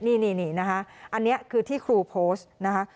นี่นะคะอันนี้คือที่ครูโพสต์นะคะ